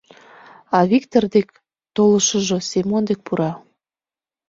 А Виктыр деке толшыжо Семон деке пура.